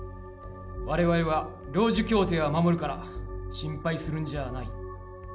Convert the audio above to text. われわれは領事協定は守るから、心配するんじゃない。